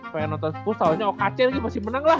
kayak nonton sports tahunnya okc lagi pasti menang lah